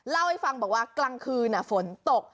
เล่าให้ฟังบอกว่ากลางคืนฝนตก